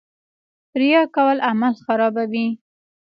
ریا کول عمل خرابوي